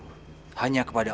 silahkan kamu berikan kepadaku